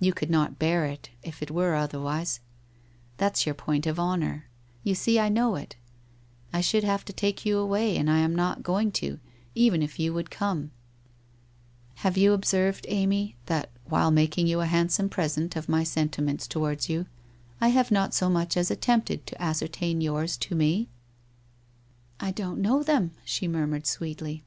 You could not bear it if it were otherwise. That's your point of honour. You see I know it. I should have to take you away, and I am not going to, even if you would WHITE ROSE OF WEARY LEAF 137 come. ... Have you observed, Amy, that while mak ing you a handsome present of my sentiments towards you, I have not so much as attempted to ascertain yours to me ?'' I don't know them,' she murmured sweetly.